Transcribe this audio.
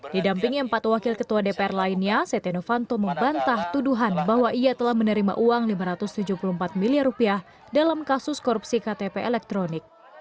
didampingi empat wakil ketua dpr lainnya setia novanto membantah tuduhan bahwa ia telah menerima uang lima ratus tujuh puluh empat miliar dalam kasus korupsi ktp elektronik